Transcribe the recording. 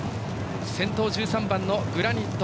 先頭１３番グラニット。